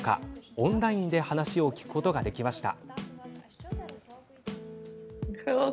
オンラインで話を聞くことができました。